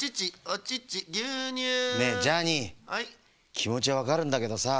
きもちはわかるんだけどさ